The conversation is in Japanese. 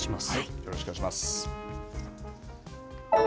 よろしくお願いします。